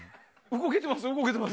動けてますよ。